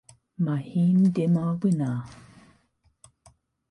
Mae hi'n dymor wyna.